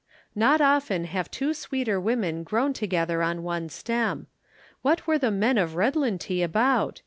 Not often have two sweeter women grown together on one stem. What were the men of Redlintie about?